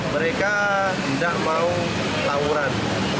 mereka tidak mau lawuran